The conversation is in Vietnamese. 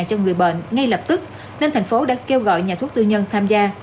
cho người bệnh ngay lập tức nên thành phố đã kêu gọi nhà thuốc tư nhân tham gia